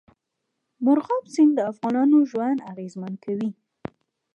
مورغاب سیند د افغانانو ژوند اغېزمن کوي.